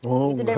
oh enggak loh